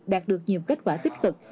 đạt được nhiều kết quả tích cực